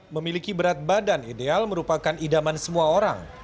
memiliki berat badan ideal merupakan idaman semua orang